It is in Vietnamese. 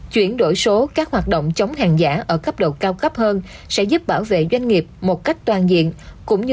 chuyển đổi số các hoạt động chống hàng giả ở cấp độ cao cấp hơn sẽ giúp bảo vệ doanh nghiệp một cách toàn diện cũng như